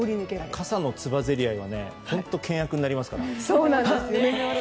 傘のつばぜり合いは本当に険悪になりますから。